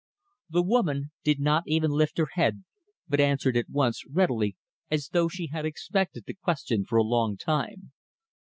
The woman did not even lift her head, but answered at once, readily, as though she had expected the question for a long time.